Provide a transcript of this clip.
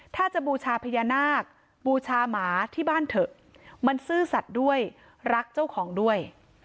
ถ้าจะบูชาพญานาคบูชาหมาที่บ้านเถอะมันซื่อสัตว์ด้วยรักเจ้าของด้วย